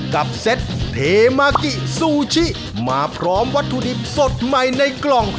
เซ็ตเทมากิซูชิมาพร้อมวัตถุดิบสดใหม่ในกล่อง